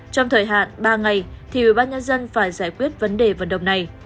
trong thời hạn ba ngày thì bộ bác nhân dân phải giải quyết vấn đề vận động này